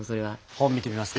本見てみますか？